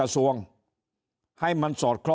ถ้าท่านผู้ชมติดตามข่าวสาร